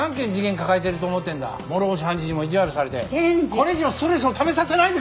これ以上ストレスをためさせないでくれよ！